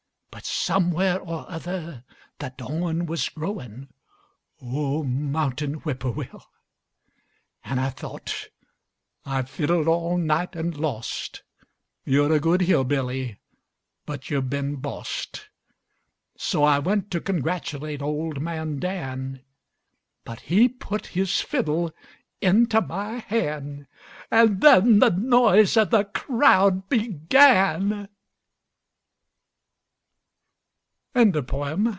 But, somewhere or other, the dawn was growin', (Oh, mountain whippoorwill!) An' I thought, 'I've fiddled all night an' lost, Yo're a good hill billy, but yuh've been bossed.' So I went to congratulate old man Dan, But he put his fiddle into my han' An' then the noise of the crowd began!